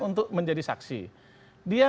untuk menjadi saksi dia